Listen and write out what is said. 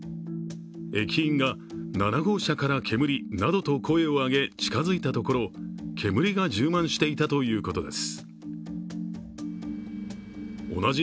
駅員が７号車から煙などと声を上げ近づいたところ、煙が充満していたということです。